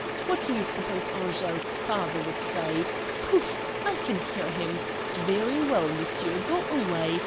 What do you suppose Angele's father would say? Pouf! I can hear him. 'Very well, monsieur, go away.